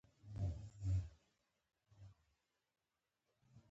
افسوس زموږ ځوانان به هله پوه شي.